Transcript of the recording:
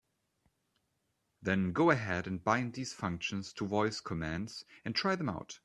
Then go ahead and bind these functions to voice commands and try them out.